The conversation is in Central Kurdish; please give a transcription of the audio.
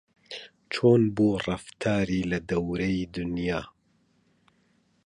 چۆن بوو ڕەفتاری لە دەورەی دونیا